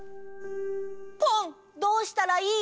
ポンどうしたらいい？